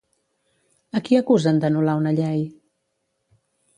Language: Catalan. A qui acusen d'anul·lar una llei?